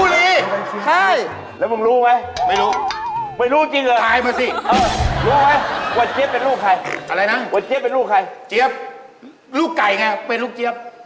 สบายใจนะพี่